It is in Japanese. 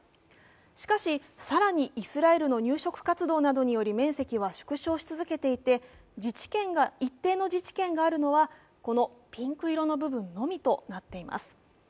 しかし、更にイスラエルの入植活動により面積は縮小し続けていて、一定の自治権があるのはこのピンク色の部分のみとなっています。